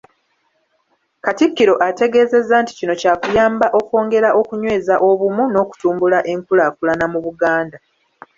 Katikkiro ategeezezza nti kino kyakuyamba okwongera okunyweza obumu n’okutumbula enkulaakulana mu Buganda.